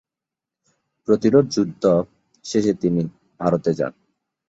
প্রতিরোধযুদ্ধ শেষে তিনি ভারতে যান।